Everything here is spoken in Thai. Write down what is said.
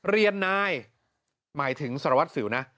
เรียนนายหมายถึงสารวัตรสิวนะ